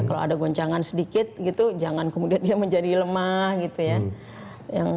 kalau ada goncangan sedikit gitu jangan kemudian dia menjadi lemah gitu ya